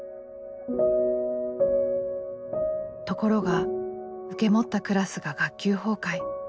ところが受け持ったクラスが学級崩壊。